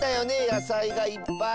やさいがいっぱい。